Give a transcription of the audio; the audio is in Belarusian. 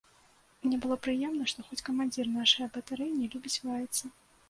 Мне было прыемна, што хоць камандзір нашае батарэі не любіць лаяцца.